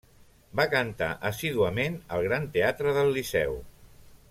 Va cantar assíduament al Gran Teatre del Liceu.